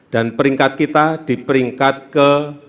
dan peringkat kita di peringkat ke tiga